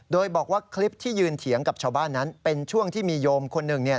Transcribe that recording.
โดยบอกว่าคลิปที่ยืนเถียงกับชาวบ้านนั้นเป็นช่วงที่มีโยมคนหนึ่งเนี่ย